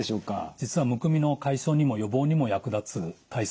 実はむくみの解消にも予防にも役立つ体操があるんですよ。